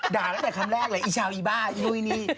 ด่างได้แต่คำแรกเลยอีเชาอีบ้าดู้ยายี่